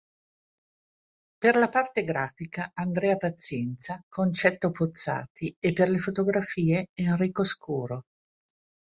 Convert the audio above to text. Per la parte grafica Andrea Pazienza, Concetto Pozzati e per le fotografie Enrico Scuro.